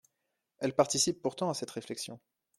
Elle participe pourtant à cette réflexion.